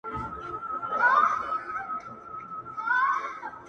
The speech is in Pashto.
خدایه چي د مرگ فتواوي ودروي نور’